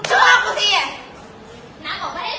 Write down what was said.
เดี๋ยวก็มี